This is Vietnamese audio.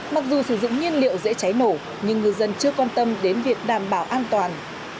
mặc dù sử dụng nhiên liệu dễ cháy nổ nhưng ngư dân chưa quan tâm đến việc đảm bảo an toàn